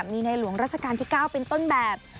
มีในหลวงราชการที่๙เป็นต้นแบบ